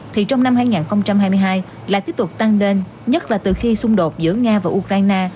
thì trong năm hai nghìn hai mươi hai lại tiếp tục tăng lên nhất là từ khi xung đột giữa nga và ukraine